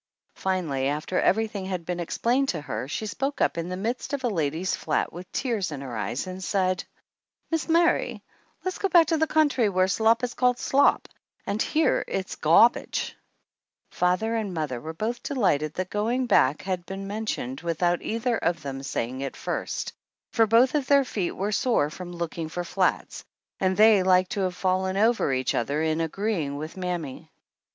Finally, after everything had been ex plained to her, she spoke up in the midst of a lady's flat with tears in her eyes and said : "Mis' Mary, le's go back to the country whar slop is called slop; up here it's 'gawbageT ' Father and mother were both delighted that going back had been mentioned without either one of them saying it first, for both of their feet were sore from looking for flats; and they like to have fallen over each other in agreeing with mammy.